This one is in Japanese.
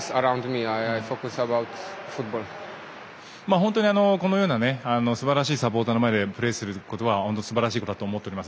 本当にこのようなすばらしいサポーターの前でプレーすることはすばらしいことだと思っております。